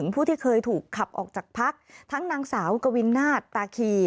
ผู้ที่เคยถูกขับออกจากพักทั้งนางสาวกวินาศตาคี